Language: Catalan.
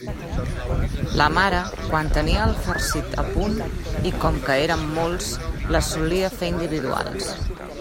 La mare, quan tenia el farcit a punt, i com que érem molts, les solia fer individuals.